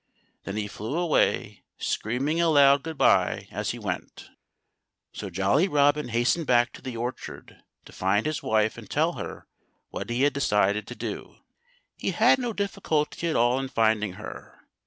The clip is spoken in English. Then he flew away, screaming a loud good by as he went. So Jolly Robin hastened back to the orchard, to find his wife and tell her what he had decided to do. He had no difficulty at all in finding her.